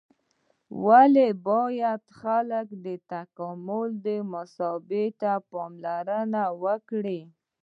ولې باید خلک دې تکاملي محاسبې ته پاملرنه وکړي؟